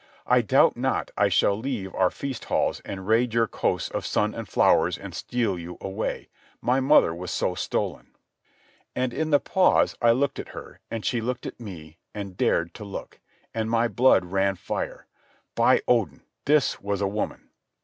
I doubt not I shall leave our feast halls and raid your coasts of sun and flowers, and steal you away. My mother was so stolen." And in the pause I looked at her, and she looked at me, and dared to look. And my blood ran fire. By Odin, this was a woman!